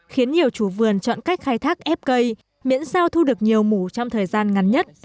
khiến nhiều chủ vườn chọn cách khai thác ép cây miễn sao thu được nhiều mù trong thời gian ngắn nhất